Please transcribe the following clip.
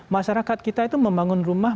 masyarakat kita itu membangun rumah